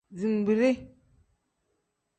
Zinbiri.